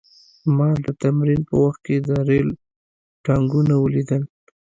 ما د تمرین په وخت کې د ریل ټانکونه ولیدل